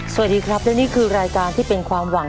สวัสดีครับและนี่คือรายการที่เป็นความหวัง